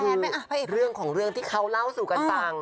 ดูเรื่องของเรื่องที่เค้าเล่าสู่กันสั่ง